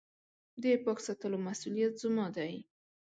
د پاک ساتلو مسولیت زما دی .